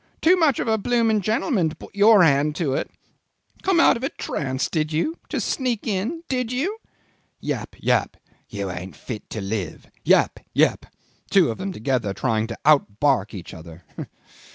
Too much of a bloomin' gentleman to put your hand to it. Come out of your trance, did you? To sneak in? Did you?' Yap! yap! 'You ain't fit to live!' Yap! yap! Two of them together trying to out bark each other.